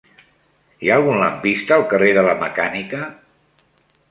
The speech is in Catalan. Hi ha algun lampista al carrer de la Mecànica?